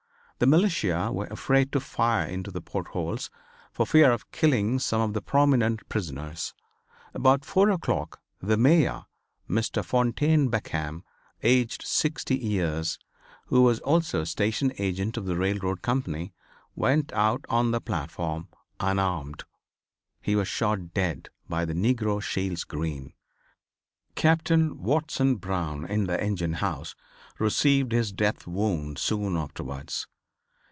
The militia were afraid to fire into the port holes for fear of killing some of the prominent prisoners. About 4 o'clock the Mayor, Mr. Fontaine Beckham, aged sixty years, who was also station agent of the railroad company, went out on the platform unarmed. He was shot dead by the negro Shields Green. Captain Watson Brown in the engine house received his death wound soon afterwards.